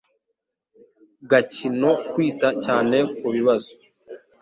gakino Kwita cyane ku bibazo